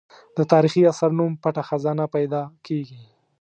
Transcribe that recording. د تاریخي اثر نوم پټه خزانه پیدا کېږي.